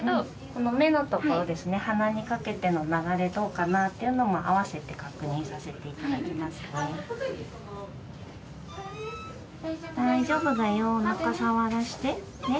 この目の所ですね、鼻にかけての流れ、どうかなというのも、合わせて確認させていただきますね。